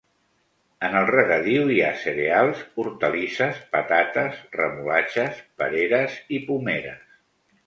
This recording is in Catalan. En el regadiu hi ha cereals, hortalisses, patates, remolatxes, pereres i pomeres.